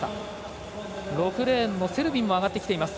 ６レーンのセルビンも上がってきています。